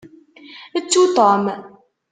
Ttu Tom!